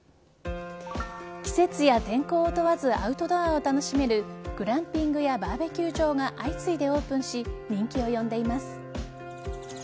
季節や天候を問わずアウトドアを楽しめるグランピングやバーベキュー場が相次いでオープンし人気を呼んでいます。